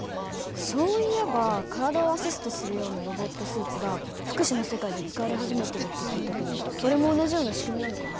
そういえば体をアシストするようなロボットスーツが福祉の世界で使われ始めてるって聞いたけどそれも同じような仕組みなのかな。